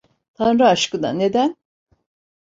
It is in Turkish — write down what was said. Tanrı aşkına, neden?